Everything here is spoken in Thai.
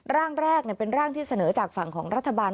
ร่างแรกเป็นร่างที่เสนอจากฝั่งของรัฐบาล